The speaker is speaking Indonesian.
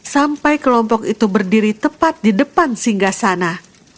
sampai kelompok itu berdiri tepat di depan singgah sana